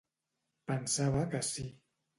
Pensava que sí.